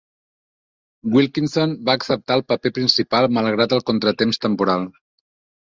Wilkinson va acceptar el paper principal malgrat el contratemps temporal.